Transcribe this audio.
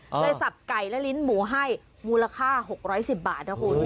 สับไก่และลิ้นหมูให้มูลค่า๖๑๐บาทนะคุณ